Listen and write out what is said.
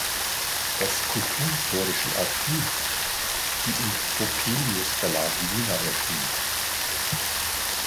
Das kulturhistorische Archiv", die im Vopelius Verlag Jena erschien.